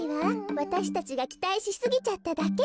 わたしたちがきたいしすぎちゃっただけよ。